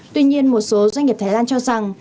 tuy nhiên một số doanh nghiệp thái lan cho rằng